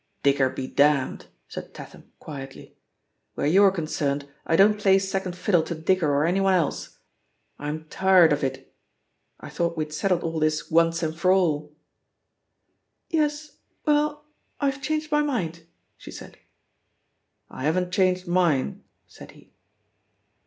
^Dicker be damned/' said Tatham ^[uieQy. '^iWhere you're concerned, I don't play second fiddle to Dicker^ or anyone else, I'm tired of it. li •• I thought we had settled all this once and for alir "Yes — ^well, I've changed my mind,'* idie said.: I haven't changed mine/' said he.